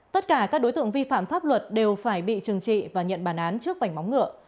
tất cả các đối tượng vi phạm pháp luật đều phải bị trừng trị và nhận bản án trước vảnh móng ngựa